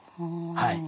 はい。